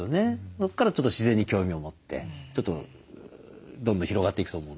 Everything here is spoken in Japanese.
そこからちょっと自然に興味を持ってちょっとどんどん広がっていくと思うんで。